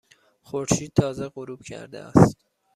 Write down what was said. خورشید تازه غروب کرده است.